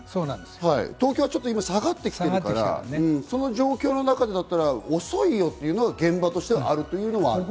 東京はちょっと今下がってきてるから、その状況の中になったら遅いよというのが現場としてはあるというのもある。